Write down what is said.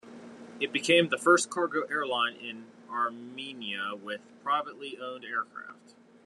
It became the first cargo airline in Armenia with privately owned aircraft.